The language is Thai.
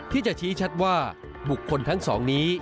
ที่จะชี้ชัดว่าบุคคลทั้งสองนี้